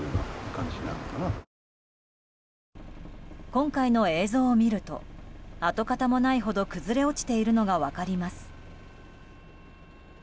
今回の映像を見ると跡形もないほど崩れ落ちているのが分かります。